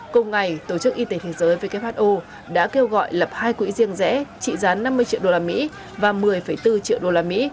cùng ngày tổ chức y tế thế giới who đã kêu gọi lập hai quỹ riêng rẽ trị gián năm mươi triệu đô la mỹ và một mươi bốn triệu đô la mỹ